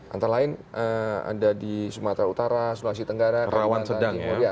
antara lain ada di sumatera utara sulawesi tenggara ramadhan jembatan jembatan